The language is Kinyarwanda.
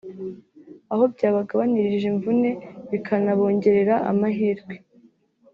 aho byabagabanirije imvune bikanabongerera amahirwe